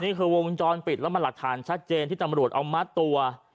วงจรปิดแล้วมันหลักฐานชัดเจนที่ตำรวจเอามัดตัว